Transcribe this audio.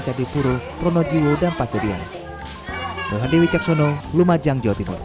candipuro pronojiwo dan pasirian